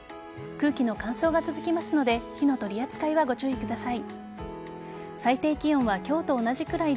空気の乾燥が続きますので火の取り扱いはご注意ください。